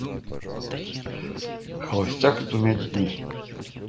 Холостяк с двумя детьми.